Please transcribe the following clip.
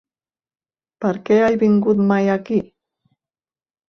Per què he vingut mai aquí?